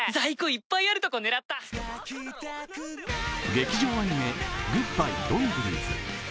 劇場アニメ「グッバイ、ドン・グリーズ！」。